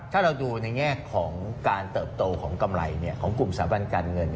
ถ้าเราดูในแง่ของการเติบโตของกำไรของกลุ่มสาบันการเงิน